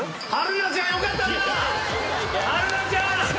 春奈ちゃん。